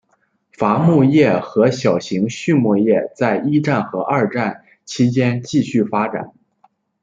伐木业和小型的畜牧业在一战和二战期间继续发展。